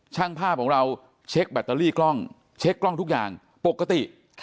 ช่างภาพของเราเช็คแบตเตอรี่กล้องเช็คกล้องทุกอย่างปกติ